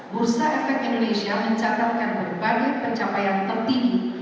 bursa efek indonesia mencatatkan berbagai pencapaian tertinggi